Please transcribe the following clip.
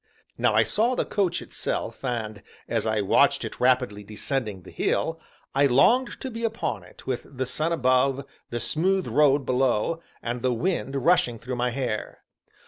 Now I saw the coach itself, and, as I watched it rapidly descending the hill, I longed to be upon it, with the sun above, the smooth road below, and the wind rushing through my hair.